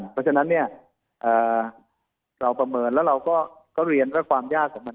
เพราะฉะนั้นเนี่ยเราประเมินแล้วเราก็เรียนว่าความยากของมัน